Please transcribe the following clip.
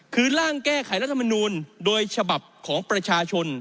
คือร่างแก้ไขรัฐมนูลโดยฉบับของประชาชน